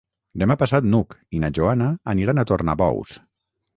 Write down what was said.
Demà passat n'Hug i na Joana aniran a Tornabous.